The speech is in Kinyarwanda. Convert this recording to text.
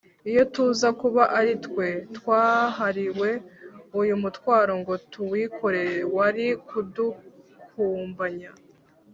iyo tuza kuba ari twe twahariwe uyu mutwaro ngo tuwikorere, wari kudukumbanya